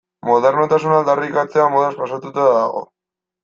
Modernotasuna aldarrikatzea modaz pasatuta dago.